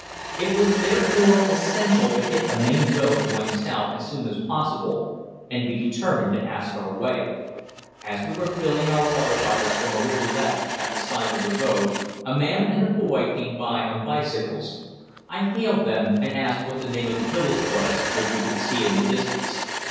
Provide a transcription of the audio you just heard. It was therefore essential to hit a main road going south as soon as possible, and we determined to ask our way. As we were filling our water bottles from a rivulet at the side of the road a man and a boy came by on bicycles. I hailed them and asked what the name of the village was which we could see in the distance.